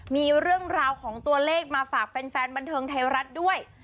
มีเรื่องราวของตัวเลขมาฝากแฟนบันเทิงไทยรัฐด้วย